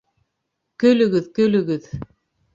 Көлөгөҙ, көлөгөҙ!